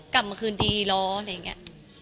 ตัวตัวจะตอบโทษได้